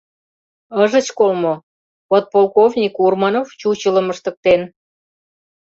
— Ыжыч кол мо: подполковник Урманов чучелым ыштыктен.